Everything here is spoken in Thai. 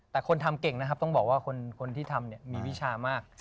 แต่คนทำเก่งนะครับต้องบอกว่าคนที่ทำมีวิชามาก